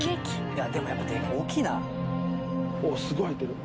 でもやっぱり大きいな。